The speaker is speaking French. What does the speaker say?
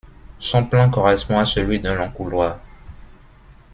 Son plan correspond à celui d'un long couloir.